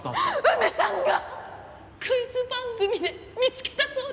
梅さんがクイズ番組で見つけたそうです！